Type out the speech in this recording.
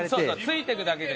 ついていくだけで。